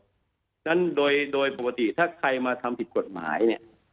เพราะฉะนั้นโดยปกติถ้าใครมาทำผิดกฎหมายเนี่ย